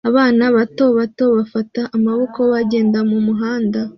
Abana bato bato bafatanye amaboko bagenda mumuhanda